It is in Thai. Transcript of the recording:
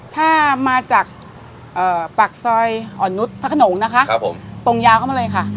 ถ้ามาจากปากซอยอ่อนนุษย์พระขนงนะคะตรงยาวเข้ามาเลยค่ะ